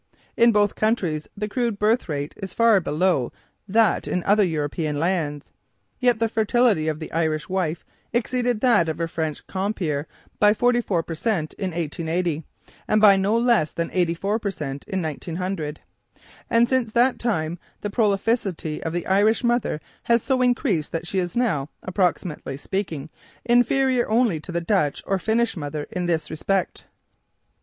In both countries the crude birth rate is far below that in other European lands. Yet the fertility of the Irish wife exceeded that of her French compeer by 44 per cent in 1880, and by no less than 84 per cent in 1900. And since that time the prolificity of the Irish mother has so increased that she is now, approximately speaking, inferior only to the Dutch or Finnish mother in this respect.